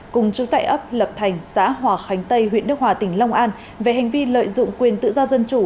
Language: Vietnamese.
cùng chú tại ấp lập thành xã hòa khánh tây huyện đức hòa tỉnh long an về hành vi lợi dụng quyền tự do dân chủ